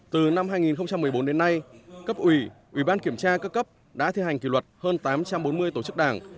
từ năm hai nghìn một mươi bốn đến nay cấp ủy ủy ban kiểm tra các cấp đã thi hành kỷ luật hơn tám trăm bốn mươi tổ chức đảng